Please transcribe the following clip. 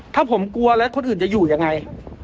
ถ้าผมกลัวแล้วคนอื่นจะอยู่ยังไง